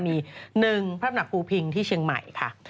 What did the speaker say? มี๑พระธนาคภูพิงที่เชียงใหม่